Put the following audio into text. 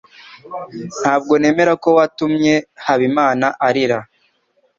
Ntabwo nemera ko watumye Habimana arira.